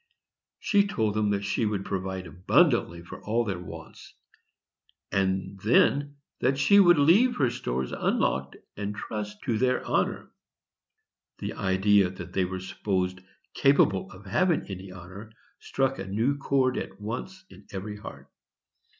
She told them that she should provide abundantly for all their wants, and then that she should leave her stores unlocked, and trust to their honor. The idea that they were supposed capable of having any honor struck a new chord at once in every heart.